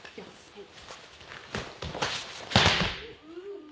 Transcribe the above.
はい。